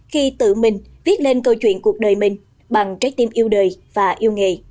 khi tự mình viết lên câu chuyện cuộc đời mình bằng trái tim yêu đời và yêu nghề